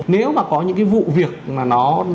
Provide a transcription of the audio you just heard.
nếu mà có những cái vụ việc mà nó